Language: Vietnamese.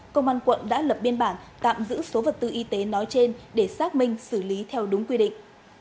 công an quận đã lập biên bản tạm giữ số vật tư y tế nói trên để xác minh xử lý theo đúng quy định